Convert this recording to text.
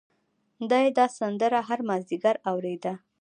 دای دا سندره هر مازدیګر اورېده.